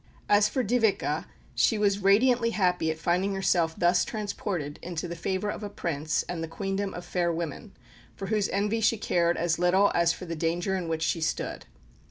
As for Dyveke, she was radiantly happy at finding herself thus transported into the favour of a Prince and the Queendom of fair women, for whose envy she cared as little as for the danger in which she stood.